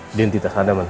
nanti tak ada mana